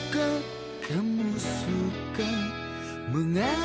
gak usah bayar